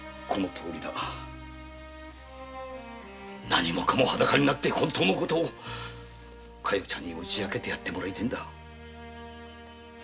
何もかも裸になって本当のことを加代ちゃんに打ち明けてやってもらいたいんだ。